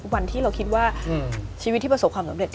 วันที่เราคิดว่าชีวิตที่ประสบความสำเร็